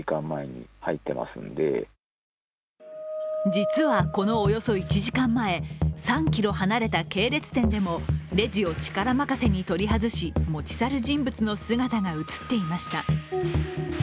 実は、このおよそ１時間前、３ｋｍ離れた系列店でもレジを力任せに取り外し持ち去る人物の姿が映っていました。